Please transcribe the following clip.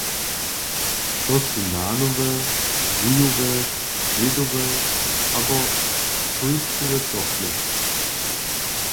To su nanowe, wujowe, dźědowe abo hólcowe tofle.